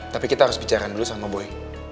tapi kita harus bicara dulu sama boy